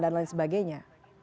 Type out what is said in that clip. dan lain sebagainya